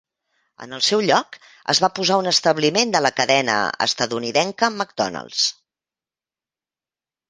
En el seu lloc, es va posar un establiment de la cadena estatunidenca McDonald's.